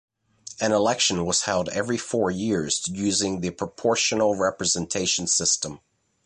An election was held every four years using the proportional representation system.